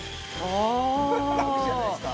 ラクじゃないですか？